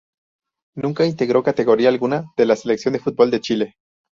Nunca integró categoría alguna de la Selección de fútbol de Chile.